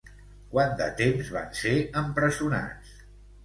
Quant de temps van ser empresonats?